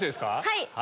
はい。